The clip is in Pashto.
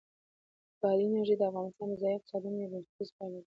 بادي انرژي د افغانستان د ځایي اقتصادونو یو بنسټیز پایایه دی.